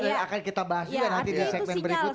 dan akan kita bahas juga nanti di segmen berikutnya ya